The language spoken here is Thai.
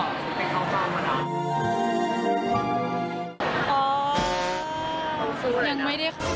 เป็นเข้าเฝ้ามาแล้ว